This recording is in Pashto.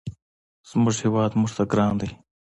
زموږ هېواد موږ ته ګران دی.